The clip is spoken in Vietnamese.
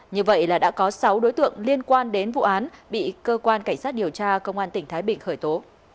như vậy là đã có sáu đối tượng liên quan đến vụ án bị cơ quan cảnh sát điều tra công an tỉnh thái bình khởi tố